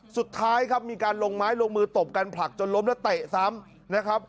สุดท้ายครับมีการลงไม้ลงมือตบกันผลักจนล้มแล้วเตะซ้ำนะครับ